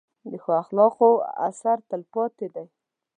د ښو اخلاقو اثر تل پاتې دی.